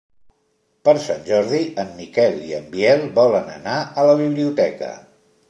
Per Sant Jordi en Miquel i en Biel volen anar a la biblioteca.